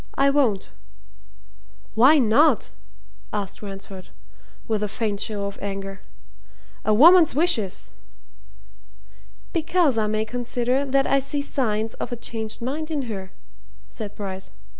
"I won't!" "Why not?" asked Ransford, with a faint show of anger. "A woman's wishes!" "Because I may consider that I see signs of a changed mind in her," said Bryce.